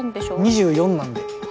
２４なんで。